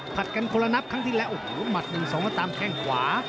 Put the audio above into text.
ผลัดกันคนละนับครั้งที่แล้วหมัดหนึ่งสองแล้วตามแข้งขวา